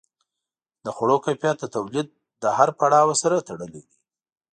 د خوړو کیفیت د تولید له هر پړاو سره تړلی دی.